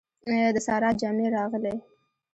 د سارا جامې راغلې.